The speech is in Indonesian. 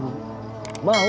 apakah ger pradu